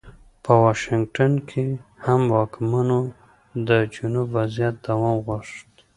په واشنګټن کې هم واکمنانو د جنوب وضعیت دوام غوښت.